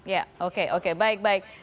ya oke baik baik